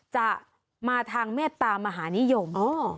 จะมาทางเมตตามหานิยม